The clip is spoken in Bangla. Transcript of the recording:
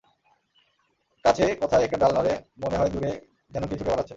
কাছে কোথায় একটা ডাল নড়ে, মনে হয় দূরে যেন কে ছুটে পালাচ্ছে।